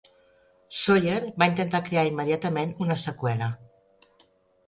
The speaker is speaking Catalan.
Sawyer va intentar crear immediatament una seqüela.